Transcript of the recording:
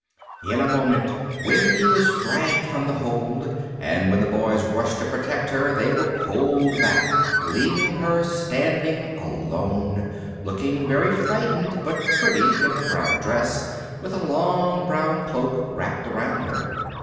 In a moment Wendy was dragged from the hold, and when the Boys rushed to protect her they were pulled back, leaving her standing alone, looking very frightened but pretty in her brown dress, with a long brown cloak wrapped round her.